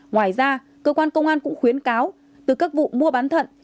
ngoài ra cơ quan công an cũng khuyến cáo từ các vụ mua bán thận